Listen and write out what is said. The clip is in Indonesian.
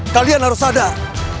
kalian harus sadar